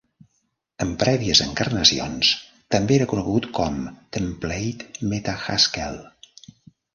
En prèvies encarnacions també era conegut com Template Meta-Haskell.